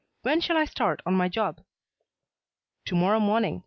When shall I start on my job?" "To morrow morning.